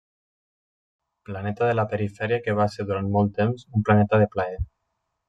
Planeta de la Perifèria que va ser durant molt temps un planeta de plaer.